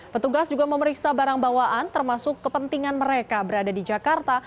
petugas juga memeriksa barang bawaan termasuk kepentingan mereka berada di jakarta